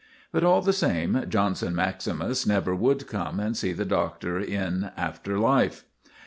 But all the same, Johnson maximus never would come and see the Doctor in after life.